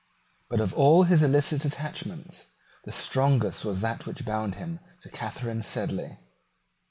But of all his illicit attachments the strongest was that which bound him to Catharine Sedley.